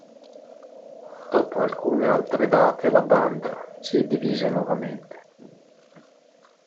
Dopo alcune altre date, la band si divise nuovamente.